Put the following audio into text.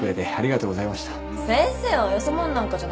先生はよそもんなんかじゃなかよ。